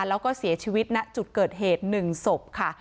แล้วก็เสียชีวิตณจุดเกิดเหตุ๑ศพค่ะ